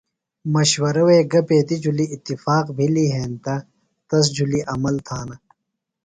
مشورہ وے گہ بیتیۡ جُھلیۡ اتفاق بِھلیۡ ہینتہ تی جُھلیۡ عمل تھانہ۔